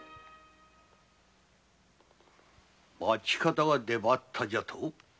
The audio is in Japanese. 町方が出張ったじゃと？